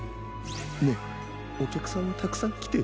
ねえおきゃくさんはたくさんきてる？